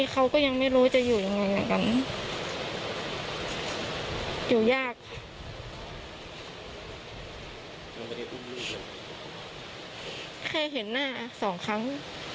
แค่เห็นหน้า๒ครั้ง